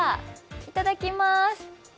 いただきます。